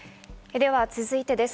では続いてです。